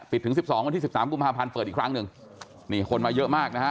ถึงสิบสองวันที่สิบสามกุมภาพันธ์เปิดอีกครั้งหนึ่งนี่คนมาเยอะมากนะฮะ